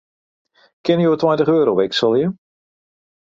Kinne jo tweintich euro wikselje?